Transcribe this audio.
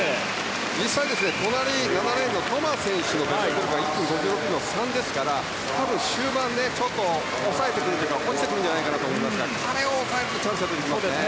実際、隣の７レーンのトマ選手は１分５６秒３ですから多分、終盤ちょっと抑えてくるというか落ちてくるんじゃないかなと思いますが彼を抑えるとチャンスが来ると思います。